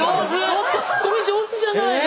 ちょっとツッコミ上手じゃないの。